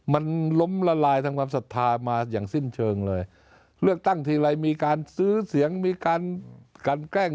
มันล้มละลายทางความศรัทธามาอย่างสิ้นเชิงเลยเลือกตั้งทีไรมีการซื้อเสียงมีการกันแกล้ง